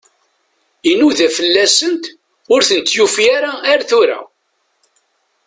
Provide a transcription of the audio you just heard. Inuda fell-asent, ur tent-yufi ara ar tura.